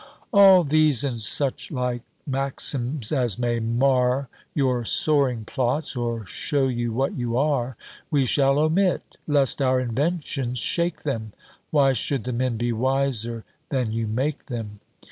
All these, and such like maxims as may mar Your soaring plots, or show you what you are, We shall omit, lest our inventions shake them: Why should the men be wiser than you make them?